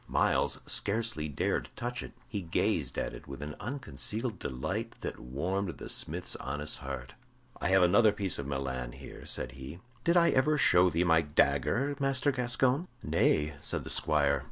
Myles scarcely dared touch it; he gazed at it with an unconcealed delight that warmed the smith's honest heart. "I have another piece of Milan here," said he. "Did I ever show thee my dagger, Master Gascoyne?" "Nay," said the squire.